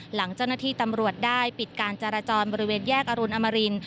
หลังเจ้าหน้าที่ตำรวจได้ปิดการจราจรบริเวณแยกอรุณอมริน